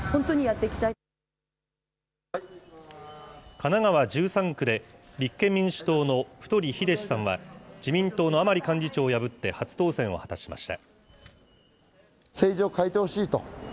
神奈川１３区で立憲民主党の太栄志さんは、自民党の甘利幹事長を破って初当選を果たしました。